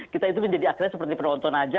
kita itu menjadi akhirnya seperti penonton aja